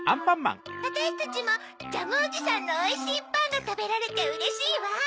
わたしたちもジャムおじさんのおいしいパンがたべられてうれしいわ。